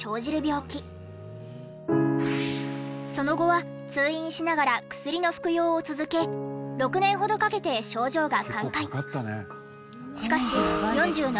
その後は通院しながら薬の服用を続け６年ほどかけて症状が寛解。